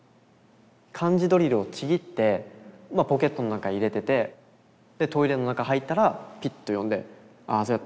漢字ドリルをちぎってポケットの中入れててでトイレの中入ったらピッと読んで「ああそうやった。